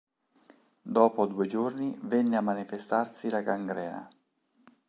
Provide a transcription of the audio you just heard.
Dopo due giorni venne a manifestarsi la gangrena.